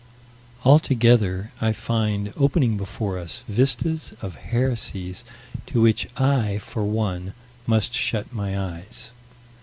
Altogether, I find opening before us, vistas of heresies to which I, for one, must shut my eyes.